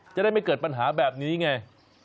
จะได้ไม่เกิดปัญหาแบบนี้ไง